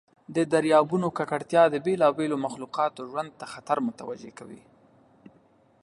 د دریابونو ککړتیا د بیلابیلو مخلوقاتو ژوند ته خطر متوجه کوي.